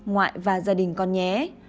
gia đình con nhé